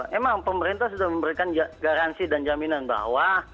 memang pemerintah sudah memberikan garansi dan jaminan bahwa